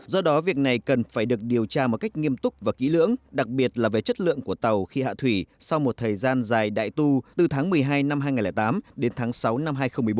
do đó việc này cần phải được điều tra một cách nghiêm túc và kỹ lưỡng đặc biệt là về chất lượng của tàu khi hạ thủy sau một thời gian dài đại tu từ tháng một mươi hai năm hai nghìn tám đến tháng sáu năm hai nghìn một mươi bốn